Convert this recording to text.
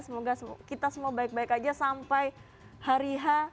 semoga kita semua baik baik aja sampai hari ha